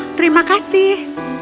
wuih terima kasih